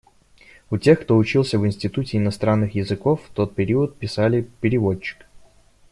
У тех, кто учился в Институте иностранных языков в тот период писали «переводчик».